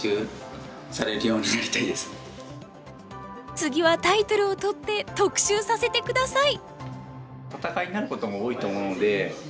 次はタイトルを獲って特集させて下さい！